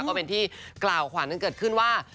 ก็เป็นที่กล่าวขวัญเกิดขึ้นว่า